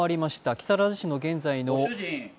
木更津市の現在の。